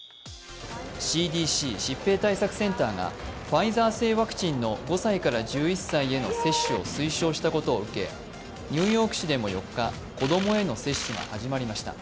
ＣＤＣ＝疾病対策センターがファイザー製ワクチンの５歳から１１歳への接種を推奨したことを受けニューヨーク市でも４日、子供への接種が始まりました。